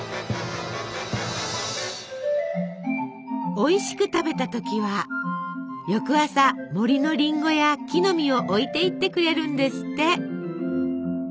おいしく食べた時は翌朝森のりんごや木ノ実を置いていってくれるんですって！